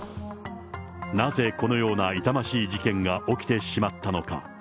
なぜこのような痛ましい事件が起きてしまったのか。